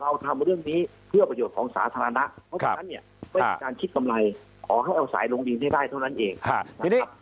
เพราะฉะนั้นเนี่ยเป็นการคิดกำไรอ๋อให้เอาสายลงดีได้เท่านั้นเอง